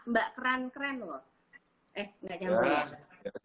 mbak keren keren loh